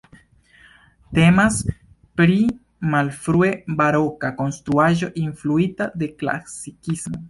Temas pri malfrue baroka konstruaĵo influita de klasikismo.